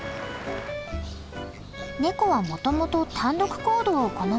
ネコはもともと単独行動を好む生き物。